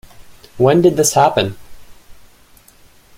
When did this happen?